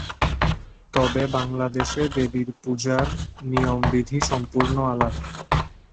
তবে, বাংলাদেশে দেবীর পূজার নিয়ম বিধি সম্পূর্ণ আলাদা।